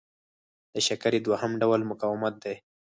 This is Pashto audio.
د شکرې دوهم ډول مقاومت دی.